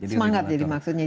semangat jadi maksudnya